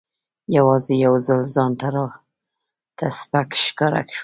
یوازې یو ځل ځان راته سپک ښکاره شو.